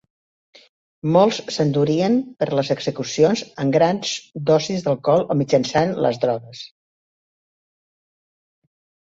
Molts s'endurien per a les execucions amb grans dosis d'alcohol o mitjançant les drogues.